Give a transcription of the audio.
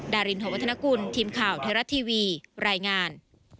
ดารินหวัฒนกุลทีมข่าวไทยรัฐทีวีรายงาน